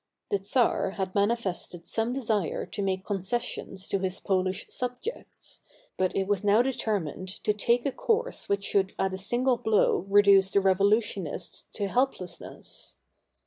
The czar had manifested some desire to make concessions to his Polish subjects, but it was now determined to take a course which should at a single blow reduce the revolution ists to helplessness.